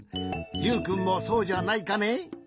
ユウくんもそうじゃないかね？